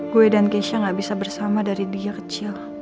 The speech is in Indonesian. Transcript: gue dan keisha gak bisa bersama dari dia kecil